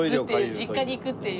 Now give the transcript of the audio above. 実家に行くっていう。